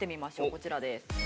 こちらです。